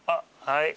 はい。